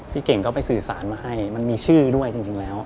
เก่งก็ไปสื่อสารมาให้มันมีชื่อด้วยจริงแล้ว